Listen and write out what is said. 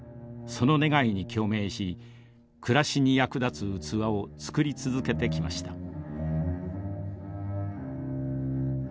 その願いに共鳴し暮らしに役立つ器を作り続けてきました。